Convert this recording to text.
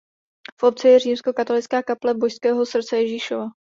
V obci je římskokatolická kaple Božského srdce Ježíšova.